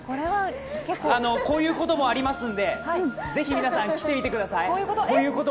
こういうこともありますんで、是非皆さん来てみてください。